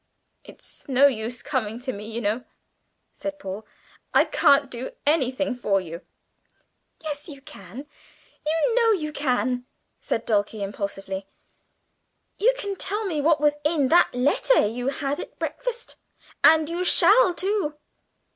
"It's no use coming to me, you know," said Paul. "I can't do anything for you." "Yes, you can; you know you can!" said Dulcie impulsively. "You can tell me what was in that letter you had at breakfast and you shall too!"